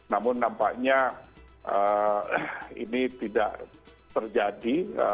namun nampaknya ini tidak terjadi